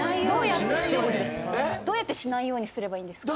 どうやってしないようにすればいいんですか？